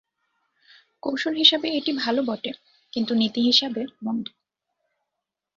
কৌশল হিসাবে এটি ভাল বটে, কিন্তু নীতি হিসাবে মন্দ।